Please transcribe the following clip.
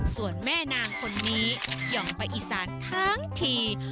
ส่วนแม่นางคนนี้หย่องไปอีสานทั้งที